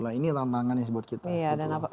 nah ini tantangan ya buat kita